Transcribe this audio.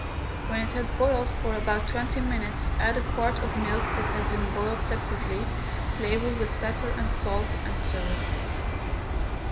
When it has boiled for about twenty minutes add a quart of milk that has been boiled separately, flavour with pepper and salt, and serve.